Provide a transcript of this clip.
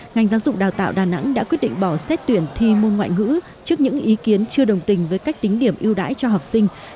ngành giáo dục đào tạo đà nẵng đã quyết định bỏ xét tuyển thi môn ngoại ngữ trước những ý kiến chưa đồng tình với cách tính điểm ưu đãi cho học sinh